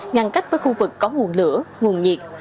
ngăn cách với khu vực có nguồn lửa nguồn nhiệt